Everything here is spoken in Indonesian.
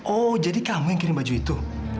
oh jadi kamu yang kirim baju itu